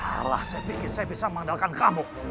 salah saya pikir saya bisa mengandalkan kamu